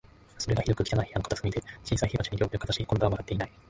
それが、ひどく汚い部屋の片隅で、小さい火鉢に両手をかざし、今度は笑っていない